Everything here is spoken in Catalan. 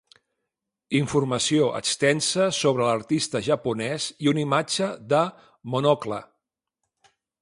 Informació extensa sobre l'artista japonès i una imatge de “Monocle”.